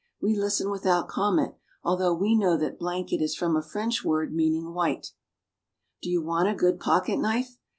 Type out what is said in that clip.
We listen without comment, although we know that blanket is from a French word meaning white. Do you want a good pocketknif e